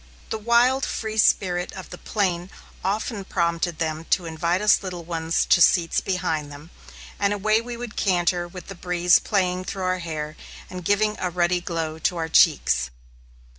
The wild, free spirit of the plain often prompted them to invite us little ones to seats behind them, and away we would canter with the breeze playing through our hair and giving a ruddy glow to our cheeks.